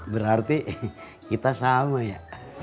berarti kita sama ya